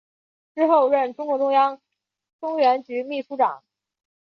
之后任中共中央中原局秘书长。